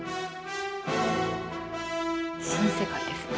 「新世界」ですね。